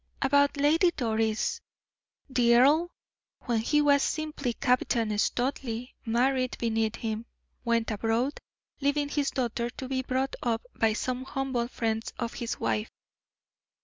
"About Lady Doris. The earl, when he was simply Captain Studleigh, married beneath him, went abroad, leaving his daughter to be brought up by some humble friends of his wife.